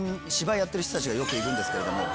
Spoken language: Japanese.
芝居やってる人たちがよく行くんですけれども。